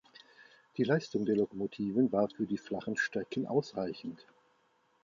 Die Leistung der Lokomotiven war für die flachen Strecken ausreichend.